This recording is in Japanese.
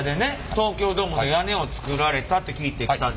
東京ドームの屋根を作られたって聞いて来たんですけど。